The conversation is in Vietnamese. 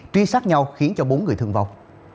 truy sát nhau khiến cho bốn người thương vọng